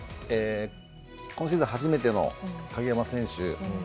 今シーズン初めての鍵山選手